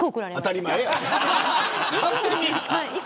当たり前や。